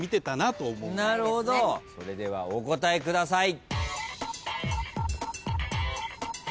それではお答えください。